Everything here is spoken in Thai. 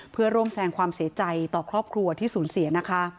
เพื่อร่วมแสงความเสียใจต่อครอบครัวที่สูญเสียนะคะ